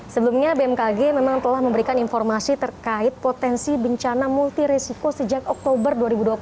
sebelumnya bmkg memang telah memberikan informasi terkait potensi bencana multi resiko sejak oktober dua ribu dua puluh